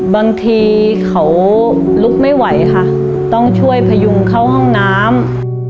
บางทีเขาลุกไม่ไหวค่ะต้องช่วยพยุงเข้าห้องน้ำ